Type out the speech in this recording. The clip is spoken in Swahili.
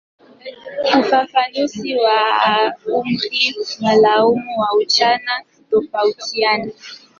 Ufafanuzi wa umri maalumu wa ujana hutofautiana.